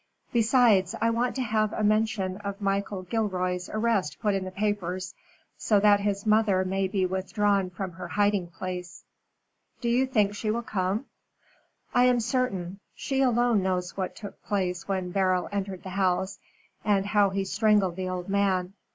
Besides, I want to have a mention of Michael Gilroy's arrest put in the papers, so that his mother may be withdrawn from her hiding place." "Do you think she will come?" "I am certain. She alone knows what took place when Beryl entered the house and how he strangled the old man.